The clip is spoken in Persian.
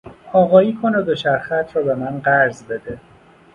آقایی کن و دوچرخهات را به من قرض بده.